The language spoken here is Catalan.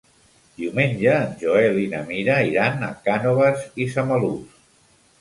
Diumenge en Joel i na Mira iran a Cànoves i Samalús.